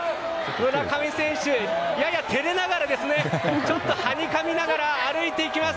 村上選手、やや照れながらちょっとはにかみながら歩いていきます。